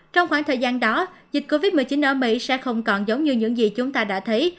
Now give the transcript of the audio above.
trong khoảng thời gian đó dịch covid một mươi chín ở mỹ sẽ không còn giống như những gì chúng ta đã thấy